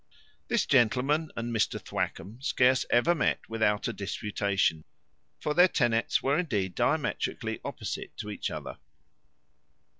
This gentleman and Mr Thwackum scarce ever met without a disputation; for their tenets were indeed diametrically opposite to each other.